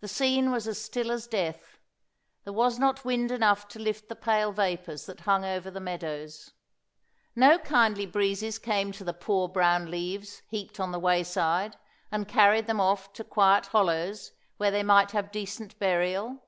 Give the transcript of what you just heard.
The scene was as still as death. There was not wind enough to lift the pale vapours that hung over the meadows. No kindly breezes came to the poor brown leaves, heaped on the wayside, and carried them off to quiet hollows where they might have decent burial.